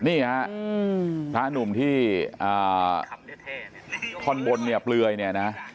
ใช่นี่ฮะพระหนุ่มที่ธอนบลมีกริ้วปลื่ยนะ